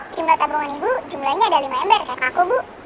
jumlah tabungan ibu jumlahnya ada lima ember kayak aku bu